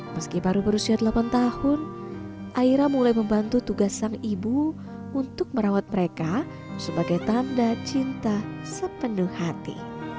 meski baru berusia delapan tahun aira mulai membantu tugas sang ibu untuk merawat mereka sebagai tanda cinta sepenuh hati